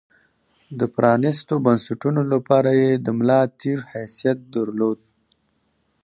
د پرانېستو بنسټونو لپاره یې د ملا تیر حیثیت درلود.